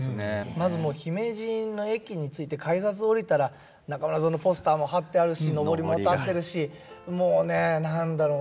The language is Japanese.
まずもう姫路の駅に着いて改札降りたら中村座のポスターも貼ってあるしのぼりも立ってるしもうね何だろう